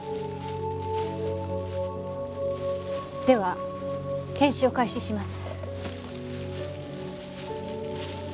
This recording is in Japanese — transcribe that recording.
では検視を開始します。